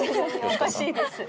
おかしいです。